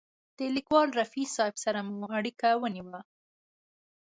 له لیکوال رفیع صاحب سره مو اړیکه ونیوله.